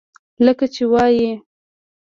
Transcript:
لکه چې وائي: